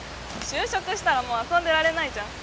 就職したらもう遊んでられないじゃん。